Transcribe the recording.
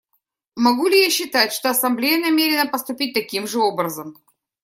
Могу ли я считать, что Ассамблея намерена поступить таким же образом?